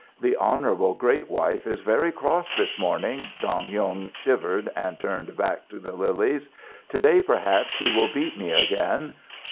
"The honourable great wife is very cross this morning." Dong Yung shivered and turned back to the lilies. "To day perhaps she will beat me again.